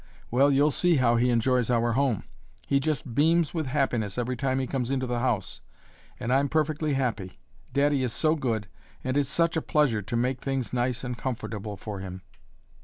Well, you'll see how he enjoys our home! He just beams with happiness every time he comes into the house. And I'm perfectly happy. Daddy is so good, and it's such a pleasure to make things nice and comfortable for him!"